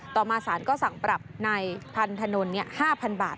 ต่อมาศาลก็สั่งปรับนายพันธนตร์นี่๕๐๐๐บาท